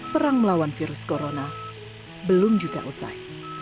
perang melawan virus corona belum juga usai